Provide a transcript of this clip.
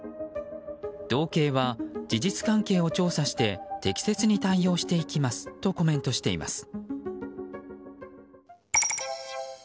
道警は事実関係を調査して適切に対応していきますとコメントしています。